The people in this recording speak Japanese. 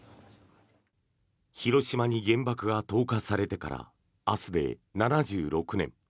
広島に原爆が投下されてから明日で７６年。